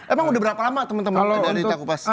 emang udah berapa lama temen temen ada di takupas